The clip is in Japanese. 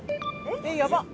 えっやばっ！